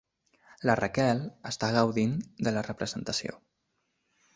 La Raquel està gaudint de la representació.